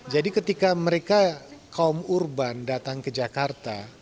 jadi ketika mereka kaum urban datang ke jakarta